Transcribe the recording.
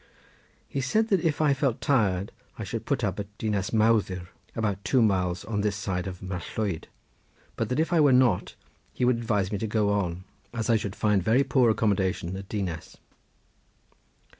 He said that if I felt tired I could put up at Dinas Mawddwy, about two miles on this side of Mallwyd, but that if I were not he would advise me to go on, as I should find very poor accommodation at Dinas.